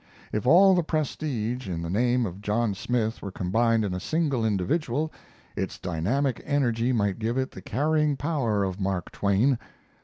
If all the prestige in the name of John Smith were combined in a single individual, its dynamic energy might give it the carrying power of Mark Twain.